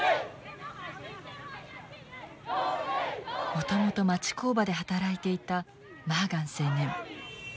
もともと町工場で働いていたマーガン青年。